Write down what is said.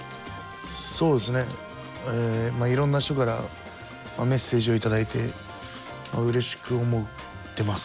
そうですねいろんな人からメッセージを頂いてうれしく思ってます。